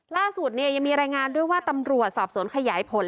ล่าสุดยังมีรายงานด้วยว่าตำรวจสอบสวนขยายผล